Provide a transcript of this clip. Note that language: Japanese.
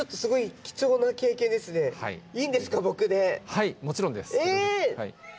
はいもちろんです。え！